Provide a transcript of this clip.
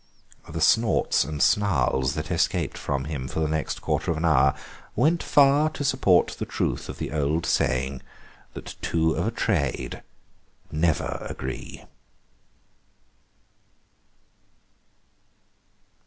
The snorts and snarls that escaped from him for the next quarter of an hour went far to support the truth of the old saying that two of a trade never agree.